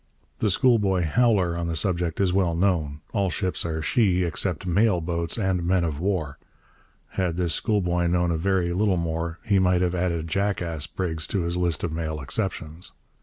The schoolboy 'howler' on the subject is well known: 'All ships are "she" except mail boats and men of war.' Had this schoolboy known a very little more he might have added jackass brigs to his list of male exceptions.